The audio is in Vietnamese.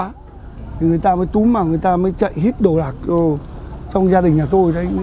thì người ta mới túm vào người ta mới chạy hít đổ nạc trong gia đình nhà tôi